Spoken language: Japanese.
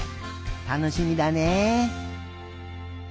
たのしみだね。